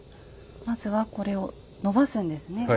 まずはこれをのばすんですね